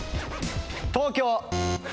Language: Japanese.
東京。